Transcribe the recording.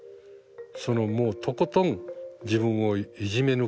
そのもうとことん自分をいじめ抜く。